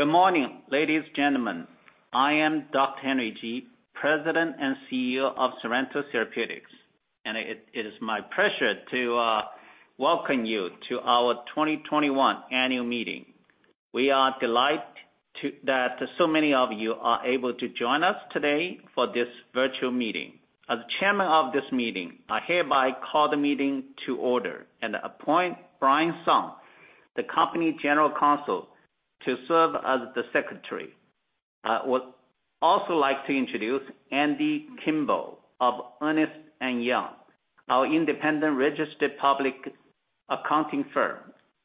Good morning, ladies and gentlemen. I am Dr. Henry Ji, President and CEO of Sorrento Therapeutics, and it is my pleasure to welcome you to our 2021 annual meeting. We are delighted that so many of you are able to join us today for this virtual meeting. As Chairman of this meeting, I hereby call the meeting to order and appoint Brian Song, the Company General Counsel, to serve as the Secretary. I would also like to introduce Andy Kimball of Ernst & Young, our independent registered public accounting firm.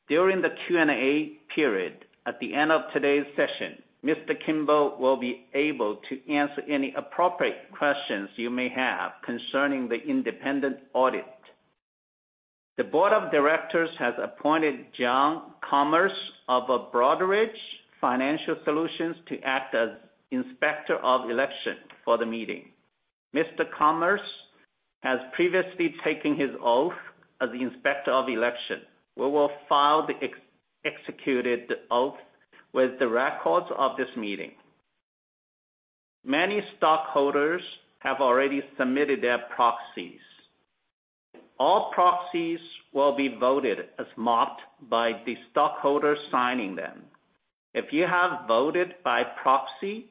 During the Q&A period at the end of today's session, Mr. Kimball will be able to answer any appropriate questions you may have concerning the independent audit. The Board of Directors has appointed John Comas of Broadridge Financial Solutions to act as Inspector of Election for the meeting. Mr. Comas has previously taken his oath as Inspector of Election. We will file the executed oath with the records of this meeting. Many stockholders have already submitted their proxies. All proxies will be voted as marked by the stockholders signing them. If you have voted by proxy,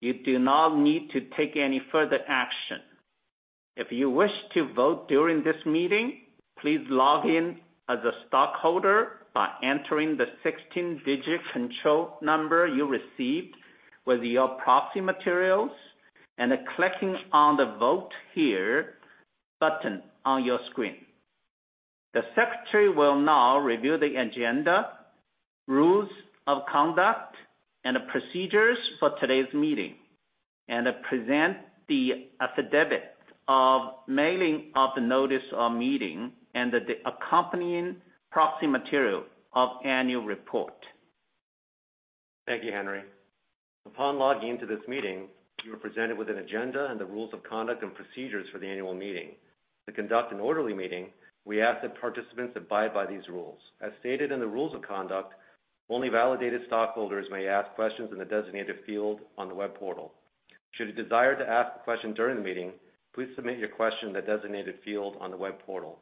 you do not need to take any further action. If you wish to vote during this meeting, please log in as a stockholder by entering the 16-digit control number you received with your proxy materials and clicking on the Vote Here button on your screen. The Secretary will now review the agenda, rules of conduct, and procedures for today's meeting, and present the affidavit of mailing of the notice of meeting and the accompanying proxy material of annual report. Thank you, Henry. Upon logging into this meeting, you are presented with an agenda and the rules of conduct and procedures for the annual meeting. To conduct an orderly meeting, we ask that participants abide by these rules. As stated in the rules of conduct, only validated stockholders may ask questions in the designated field on the web portal. Should you desire to ask a question during the meeting, please submit your question in the designated field on the web portal.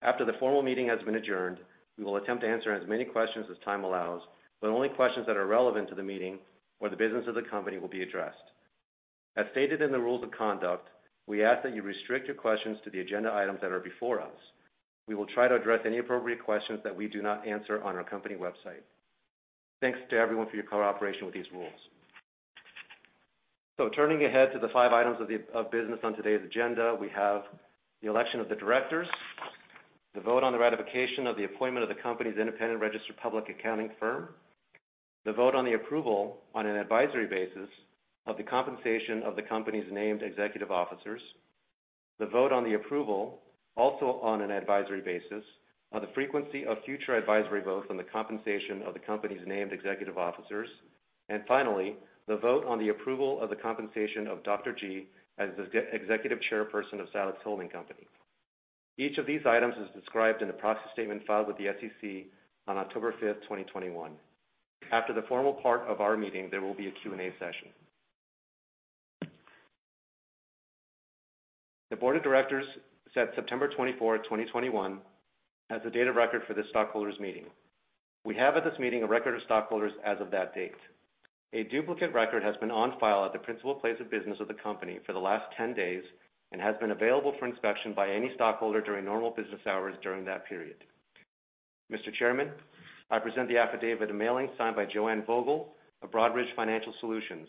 After the formal meeting has been adjourned, we will attempt to answer as many questions as time allows, but only questions that are relevant to the meeting or the business of the company will be addressed. As stated in the rules of conduct, we ask that you restrict your questions to the agenda items that are before us. We will try to address any appropriate questions that we do not answer on our company website. Thanks to everyone for your cooperation with these rules. Turning ahead to the five items of business on today's agenda, we have the election of the directors, the vote on the ratification of the appointment of the Company's independent registered public accounting firm, the vote on the approval on an advisory basis of the compensation of the Company's named executive officers, the vote on the approval, also on an advisory basis, of the frequency of future advisory votes on the compensation of the Company's named executive officers, and finally, the vote on the approval of the compensation of Dr. Henry Ji as the Executive Chairperson of Scilex Holding Company. Each of these items is described in the proxy statement filed with the SEC on October 5, 2021. After the formal part of our meeting, there will be a Q&A session. The Board of Directors set September 24, 2021, as the date of record for this stockholders' meeting. We have at this meeting a record of stockholders as of that date. A duplicate record has been on file at the principal place of business of the Company for the last 10 days and has been available for inspection by any stockholder during normal business hours during that period. Mr. Chairman, I present the affidavit of mailing signed by Joanne Vogel of Broadridge Financial Solutions,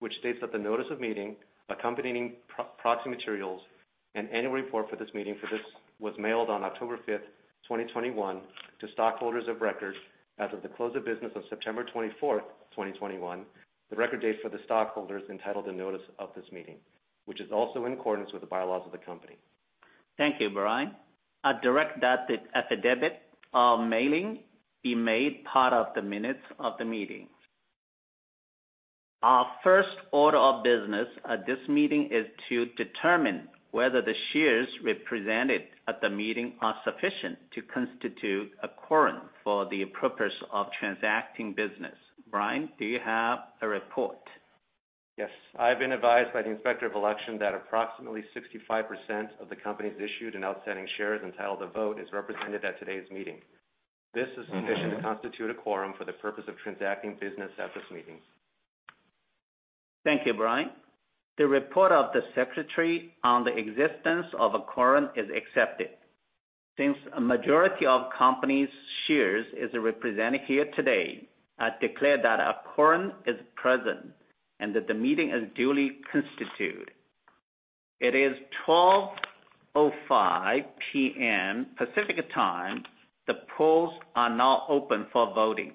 which states that the notice of meeting, accompanying proxy materials, and annual report for this meeting was mailed on October 5, 2021, to stockholders of record as of the close of business on September 24, 2021, the record date for the stockholders entitled the notice of this meeting, which is also in accordance with the bylaws of the Company. Thank you, Brian. I direct that the affidavit of mailing be made part of the minutes of the meeting. Our first order of business at this meeting is to determine whether the shares represented at the meeting are sufficient to constitute a quorum for the purpose of transacting business. Brian, do you have a report? Yes. I have been advised by the Inspector of Election that approximately 65% of the Company's issued and outstanding shares entitled to vote is represented at today's meeting. This is sufficient to constitute a quorum for the purpose of transacting business at this meeting. Thank you, Brian. The report of the Secretary on the existence of a quorum is accepted. Since a majority of Company's shares are represented here today, I declare that a quorum is present and that the meeting is duly constituted. It is 12:05 P.M. Pacific Time. The polls are now open for voting.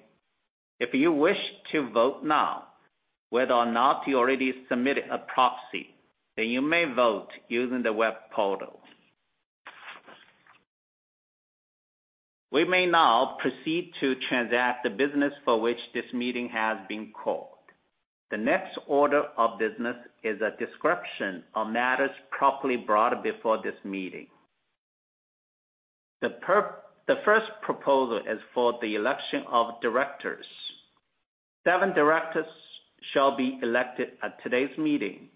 If you wish to vote now, whether or not you already submitted a proxy, then you may vote using the web portal. We may now proceed to transact the business for which this meeting has been called. The next order of business is a description of matters properly brought before this meeting. The first proposal is for the election of directors. Seven directors shall be elected at today's meeting,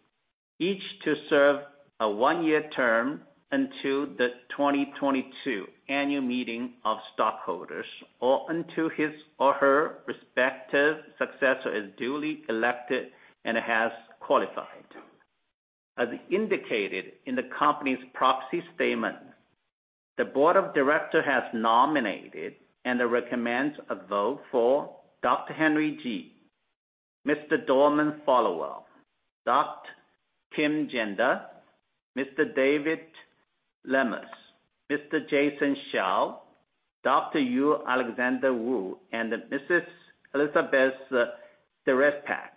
each to serve a one-year term until the 2022 annual meeting of stockholders or until his or her respective successor is duly elected and has qualified. As indicated in the Company's proxy statement, the Board of Directors has nominated and recommends a vote for Dr. Henry Ji, Mr. Dorman Followwill, Dr. Kim Janda, Mr. David Lemus, Mr. Jaisim Shah, Dr. Yue Alexander Wu, and Mrs. Elizabeth Czerepak.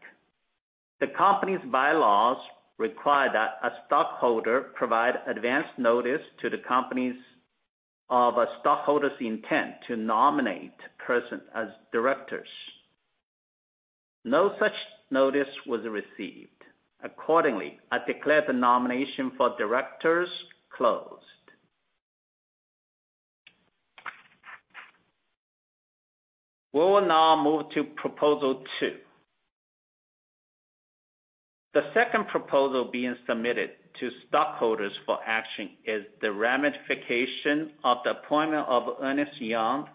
The Company's bylaws require that a stockholder provide advance notice to the Company of a stockholder's intent to nominate a person as directors. No such notice was received. Accordingly, I declare the nomination for directors closed. We will now move to Proposal 2. The second proposal being submitted to stockholders for action is the ratification of the appointment of Ernst & Young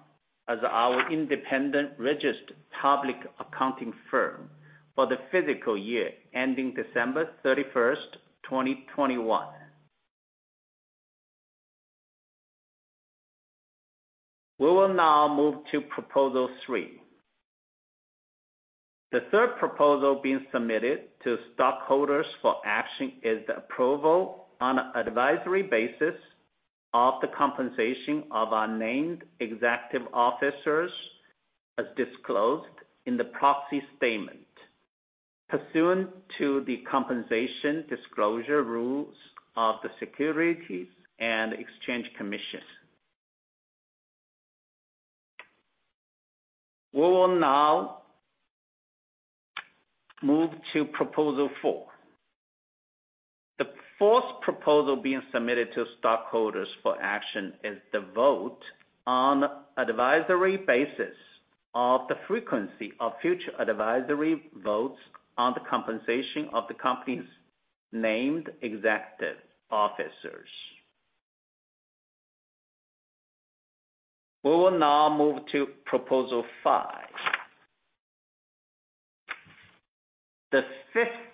as our independent registered public accounting firm for the fiscal year ending December 31, 2021. We will now move to Proposal 3. The third proposal being submitted to stockholders for action is the approval on an advisory basis of the compensation of our named executive officers as disclosed in the proxy statement pursuant to the compensation disclosure rules of the Securities and Exchange Commission. We will now move to Proposal four. The fourth proposal being submitted to stockholders for action is the vote on an advisory basis of the frequency of future advisory votes on the compensation of the Company's named executive officers. We will now move to Proposal five. The fifth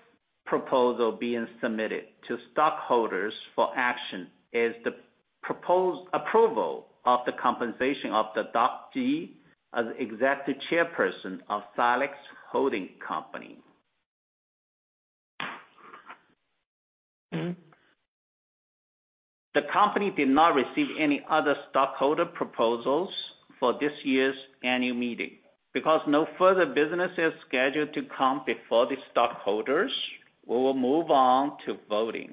proposal being submitted to stockholders for action is the approval of the compensation of Dr. Ji as Executive Chairperson of Scilex Holding Company. The Company did not receive any other stockholder proposals for this year's annual meeting. Because no further business is scheduled to come before the stockholders, we will move on to voting.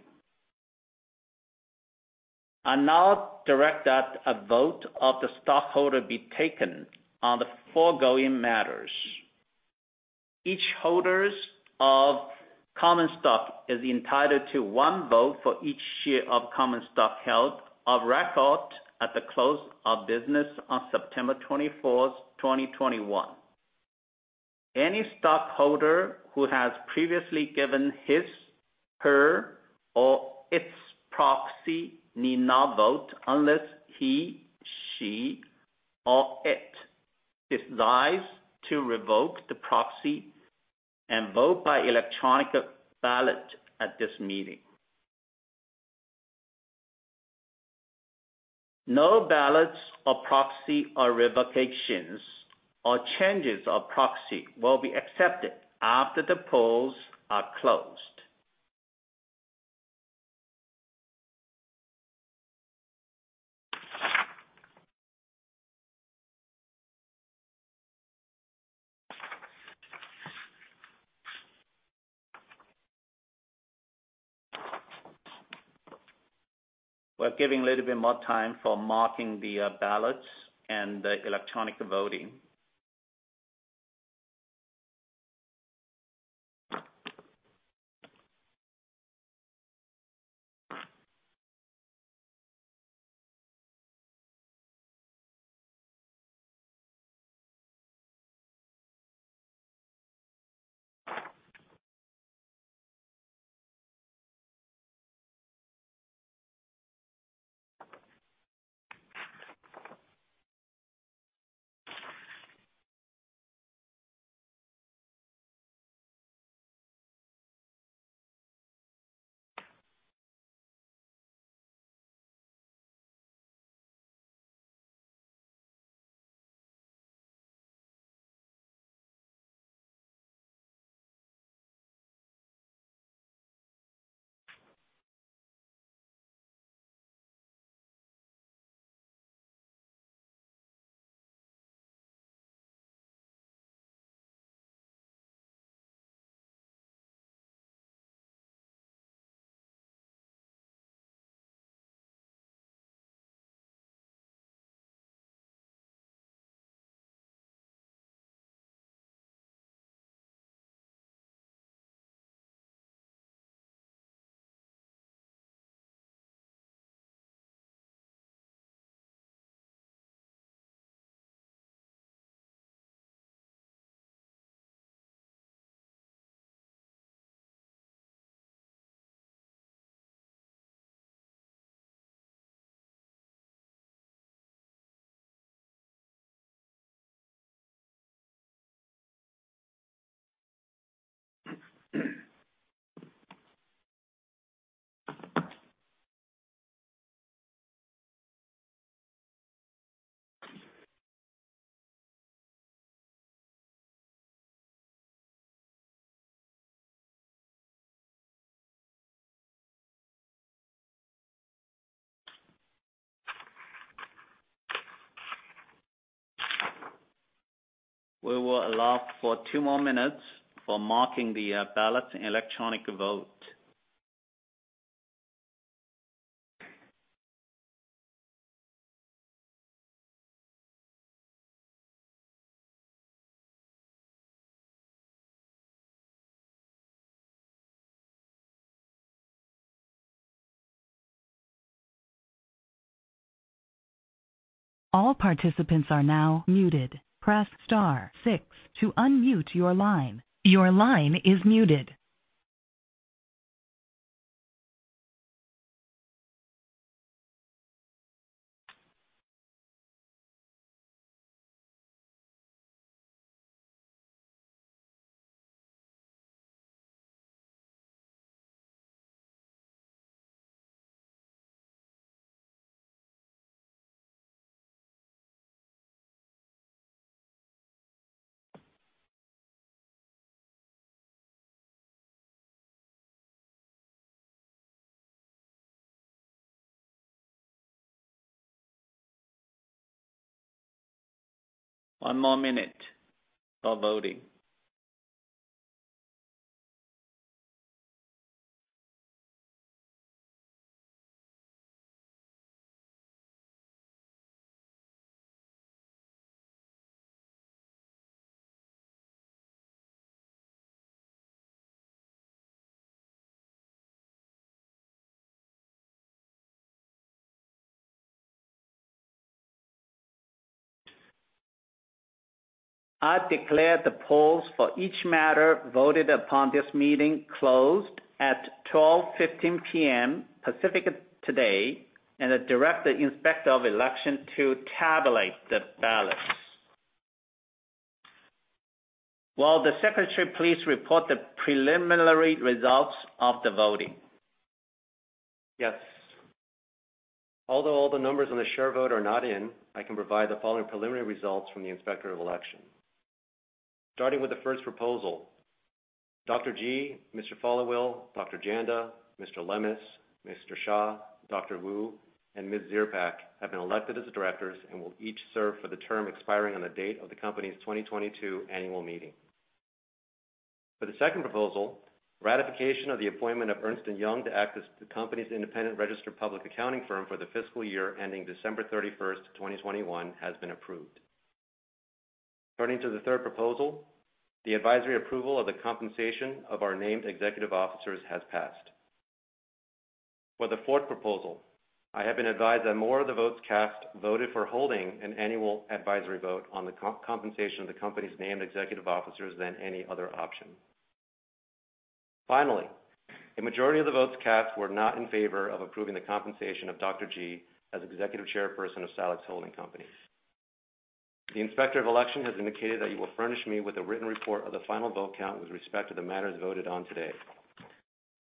I now direct that a vote of the stockholders be taken on the foregoing matters. Each holder of common stock is entitled to one vote for each share of common stock held of record at the close of business on September 24, 2021. Any stockholder who has previously given his, her, or its proxy need not vote unless he, she, or it decides to revoke the proxy and vote by electronic ballot at this meeting. No ballots or proxy revocations or changes of proxy will be accepted after the polls are closed. We're giving a little bit more time for marking the ballots and the electronic voting. We will allow for two more minutes for marking the ballots and electronic vote. All participants are now muted. Press star six to unmute your line. Your line is muted. One more minute for voting. I declare the polls for each matter voted upon this meeting closed at 12:15 P.M. Pacific today, and the Inspector of Election to tabulate the ballots. Will the Secretary please report the preliminary results of the voting? Yes. Although all the numbers on the share vote are not in, I can provide the following preliminary results from the Inspector of Election. Starting with the first proposal, Dr. Ji, Mr. Followwill, Dr. Janda, Mr. Lemus, Mr. Shah, Dr. Wu, and Ms. Czerepak have been elected as directors and will each serve for the term expiring on the date of the Company's 2022 annual meeting. For the second proposal, ratification of the appointment of Ernst & Young to act as the Company's independent registered public accounting firm for the fiscal year ending December 31, 2021, has been approved. Turning to the third proposal, the advisory approval of the compensation of our named executive officers has passed. For the fourth proposal, I have been advised that more of the votes cast voted for holding an annual advisory vote on the compensation of the Company's named executive officers than any other option. Finally, a majority of the votes cast were not in favor of approving the compensation of Dr. Ji as Executive Chairperson of Scilex Holding Company. The Inspector of Election has indicated that you will furnish me with a written report of the final vote count with respect to the matters voted on today.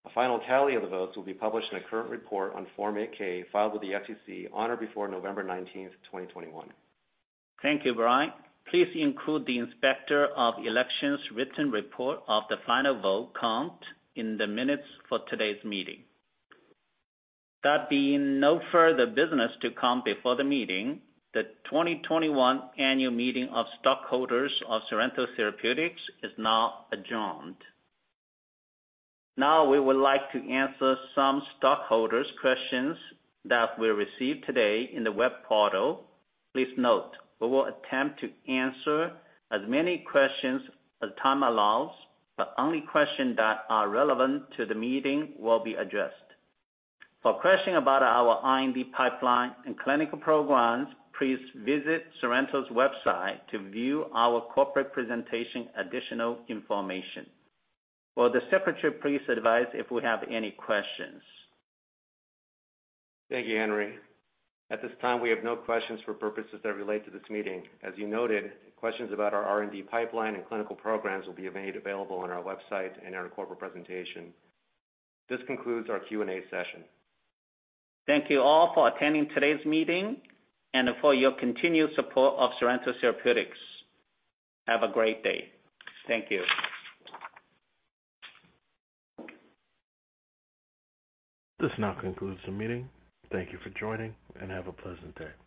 A final tally of the votes will be published in a current report on Form 8-K filed with the SEC on or before November 19, 2021. Thank you, Brian. Please include the Inspector of Election's written report of the final vote count in the minutes for today's meeting. That being no further business to come before the meeting, the 2021 annual meeting of stockholders of Sorrento Therapeutics is now adjourned. Now, we would like to answer some stockholders' questions that we received today in the web portal. Please note, we will attempt to answer as many questions as time allows, but only questions that are relevant to the meeting will be addressed. For questions about our IND pipeline and clinical programs, please visit Sorrento's website to view our corporate presentation additional information. Will the Secretary please advise if we have any questions? Thank you, Henry. At this time, we have no questions for purposes that relate to this meeting. As you noted, questions about our R&D pipeline and clinical programs will be made available on our website and in our corporate presentation. This concludes our Q&A session. Thank you all for attending today's meeting and for your continued support of Sorrento Therapeutics. Have a great day. Thank you. This now concludes the meeting. Thank you for joining, and have a pleasant day.